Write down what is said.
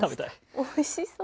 おいしそう。